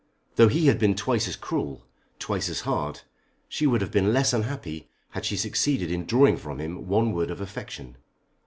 Though he had been twice as cruel, twice as hard, she would have been less unhappy had she succeeded in drawing from him one word of affection.